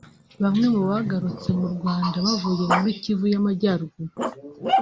Bamwe mu bagarutse mu Rwanda bavuye muri Kivu y’Amajyaruguru